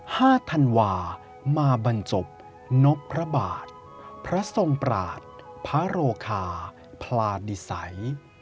ธันวามาบรรจบนพพระบาทพระทรงปราศพระโรคาพลาดิสัย